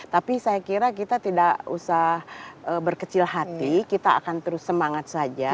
tapi saya kira kita tidak usah berkecil hati kita akan terus semangat saja